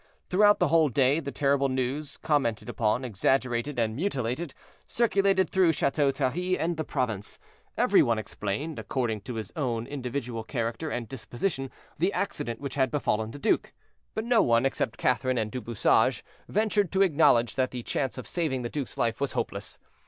Throughout the whole day, the terrible news, commented upon, exaggerated, and mutilated, circulated through Chateau Thierry and the province; every one explained, according to his own individual character and disposition, the accident which had befallen the duke. But no one, except Catherine and Du Bouchage, ventured to acknowledge that the chance of saving the duke's life was hopeless.